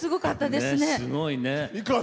すごいね。